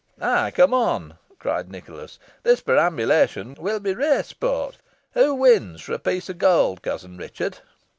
"Ay, come on!" cried Nicholas; "this perambulation will be rare sport. Who wins, for a piece of gold, cousin Richard?"